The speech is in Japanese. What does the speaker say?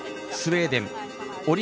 スウェーデン。